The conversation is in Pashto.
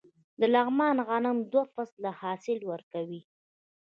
د لغمان غنم دوه فصله حاصل ورکوي.